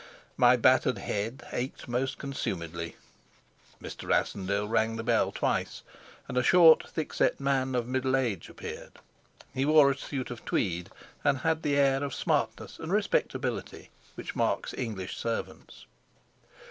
My battered head ached most consumedly. Mr. Rassendyll rang the bell twice, and a short, thickset man of middle age appeared; he wore a suit of tweed, and had the air of smartness and respectability which marks English servants.